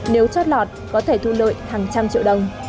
nếu chót lọt có thể thu lợi hàng trăm triệu đồng